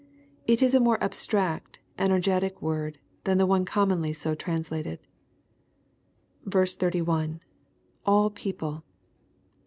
It is a more abstract, energetic word than the one commonly so translated. 31. — [AU people.